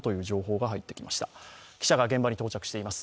記者が現場に到着しています。